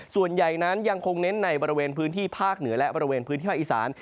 ส่วนใหญ่นั้นยังคงเน้นในประเศษฐานภาคเหนือและภาคอีสาน